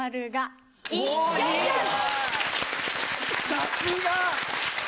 さすが！